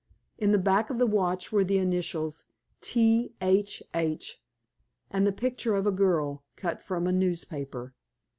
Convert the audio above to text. In the back of the watch were the initials, T.H.H. and the picture of a girl, cut from a newspaper.